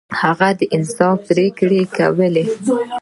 هغه د انصاف پریکړې کولې.